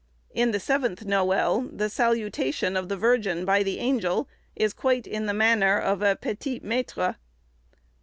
In the seventh noël, the salutation of the Virgin by the angel, is quite in the manner of a petit maître.